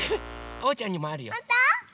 おうちゃんにもあるよ。